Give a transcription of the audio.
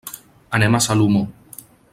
Anem a Salomó.